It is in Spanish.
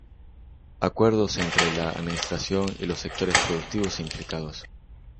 Acuerdos entre la Administración y los sectores productivos implicados.